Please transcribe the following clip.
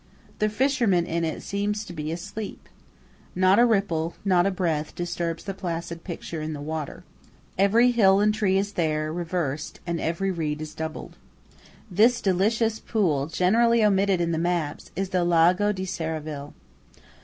The fisherman in it seems to be asleep. Not a ripple, not a breath, disturbs the placid picture in the water. Every hill and tree is there, reversed; and every reed is doubled. This delicious pool, generally omitted in the maps, is the Lago di Serravalle.